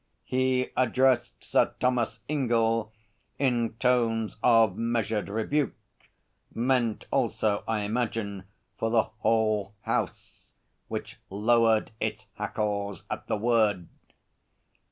He addressed Sir Thomas Ingell in tones of measured rebuke, meant also, I imagine, for the whole House, which lowered its hackles at the word.